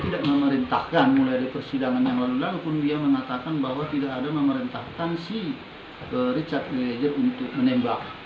dan mulai di persidangan yang lalu lalu pun dia mengatakan bahwa tidak ada memerintahkan si richard eliezer untuk menembak